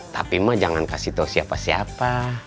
tapi mah jangan kasih tahu siapa siapa